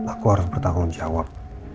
aku harus bertanggung jawab